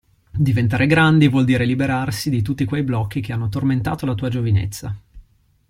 Diventare grandi vuol dire liberarsi di tutti quei blocchi che hanno tormentato la tua giovinezza.